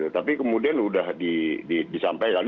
tapi kemudian udah disampaikan